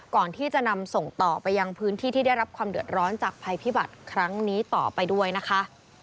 ก่อนที่จะนำส่งต่อไปยังพื้นที่ที่ได้รับความเดือดร้อนจากภัยพิบัติครั้งนี้ต่อไปด้วยนะคะ